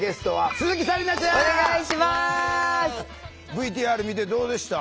ＶＴＲ見てどうでした？